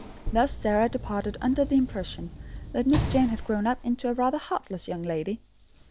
Thus Sarah departed under the impression that Miss Jane had grown up into a rather a heartless young lady.